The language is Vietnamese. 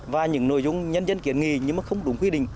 và những nội dung nhân dân kiến nghị nhưng mà không đúng quy định